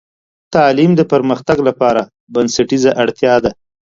تعلیم د پرمختګ لپاره بنسټیزه اړتیا ده.